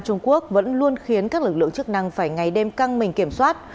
trung quốc vẫn luôn khiến các lực lượng chức năng phải ngày đêm căng mình kiểm soát